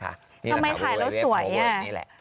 ทำไมถ่ายแล้วสวยอ่ะนี่แหละ